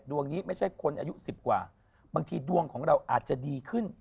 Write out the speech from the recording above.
ดวงนี้ไม่ใช่คนอายุ๑๐กว่าบางทีดวงของเราอาจจะดีขึ้น